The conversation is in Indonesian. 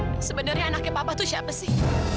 tapi sebenarnya anaknya papa tuh siapa sih